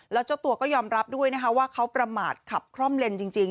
แล้วเจ้าตัวก็ยอมรับด้วยนะคะว่าเขาประมาทขับคล่อมเลนจริง